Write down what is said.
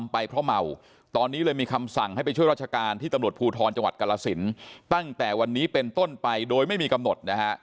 เพราะเมาตอนนี้เลยมีคำสั่งให้ไปช่วยราชการที่ตำรวจภูทรจังหวัดกรสินตั้งแต่วันนี้เป็นต้นไปโดยไม่มีกำหนดนะฮะ